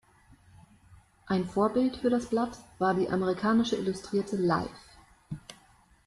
Ein Vorbild für das Blatt war die amerikanische Illustrierte "Life".